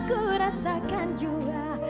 ku rasakan jua